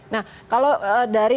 nah kalau dari kategori